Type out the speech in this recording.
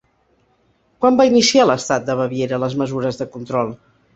Quan va iniciar l'estat de Baviera les mesures de control?